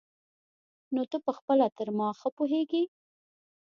نو ته پخپله تر ما ښه پوهېږي.